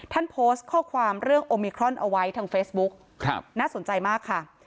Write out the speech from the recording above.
ท่านโพสต์ข้อความเรื่องโอมิครอนเอาไว้ทางเฟซบุ๊กน่าสนใจมากค่ะ